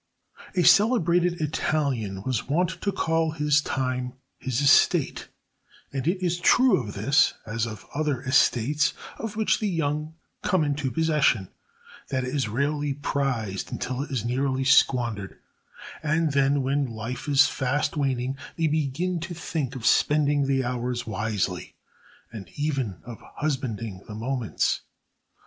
A celebrated Italian was wont to call his time his estate; and it is true of this, as of other estates of which the young come into possession, that it is rarely prized till it is nearly squandered, and then, when life is fast waning, they begin to think of spending the hours wisely, and even of husbanding the moments.